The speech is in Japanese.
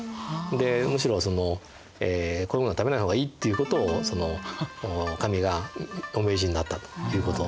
でむしろこういうものは食べない方がいいっていうことを神がお命じになったということですね。